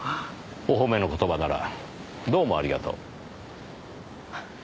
お褒めの言葉ならどうもありがとう。